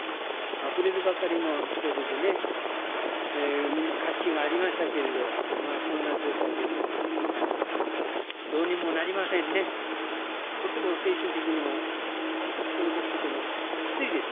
あふれるばかりの人出でね、活気がありましたけれど、今はこんな状態です。